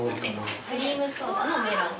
クリームソーダのメロン。